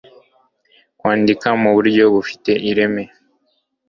kwangirika muburyo bufite ireme